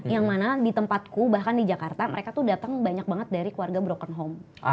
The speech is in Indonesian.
yang mana di tempatku bahkan di jakarta mereka tuh datang banyak banget dari keluarga broken home